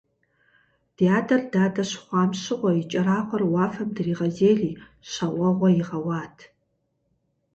Ди адэр дадэ щыхъуам щыгъуэ, и кӏэрахъуэр уафэм дригъэзейри щэ уэгъуэ игъэуат.